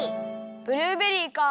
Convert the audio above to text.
ブルーベリーか。